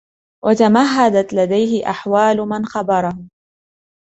وَتَمَهَّدَتْ لَدَيْهِ أَحْوَالُ مَنْ خَبَرَهُ